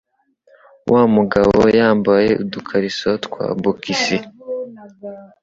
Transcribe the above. Wa mugabo yambaye udukariso twa bokisi.